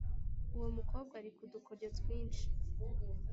uwo mukobwa ari kudukoryo twinshi